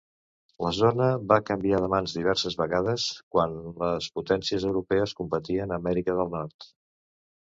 La zona va canviar de mans diverses vegades quan les potències europees competien a Amèrica del Nord.